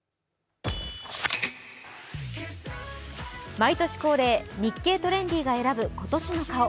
毎年恒例、「日経トレンディ」が選ぶ今年の顔。